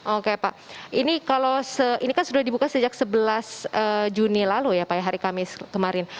oke pak ini kalau ini kan sudah dibuka sejak sebelas juni lalu ya pak ya hari kamis kemarin